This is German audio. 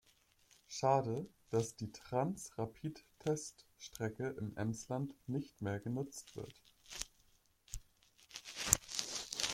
Schade, dass die Transrapid-Teststrecke im Emsland nicht mehr genutzt wird.